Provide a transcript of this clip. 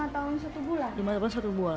lima tahun satu bulan